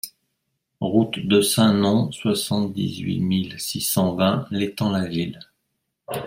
Route de Saint-Nom, soixante-dix-huit mille six cent vingt L'Étang-la-Ville